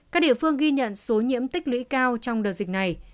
các địa phương ghi nhận số nhiễm tích lũy cao trong đợt dịch này